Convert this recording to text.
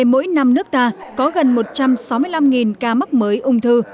mỗi năm nước ta có gần một trăm sáu mươi năm ca mắc mới ung thư